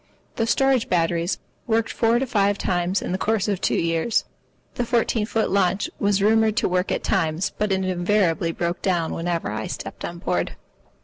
The storage batteries worked four or five times in the course of two years. The fourteen foot launch was rumoured to work at times, but it invariably broke down whenever I stepped on board.